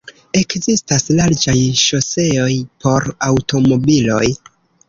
Ekzistas larĝaj ŝoseoj por aŭtomobiloj.